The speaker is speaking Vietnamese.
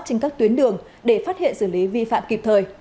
trên các tuyến đường để phát hiện xử lý vi phạm kịp thời